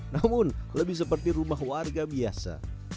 namun lebih seperti rumah warga biasa